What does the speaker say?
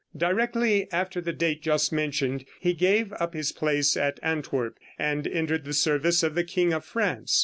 Directly after the date just mentioned he gave up his place at Antwerp, and entered the service of the king of France.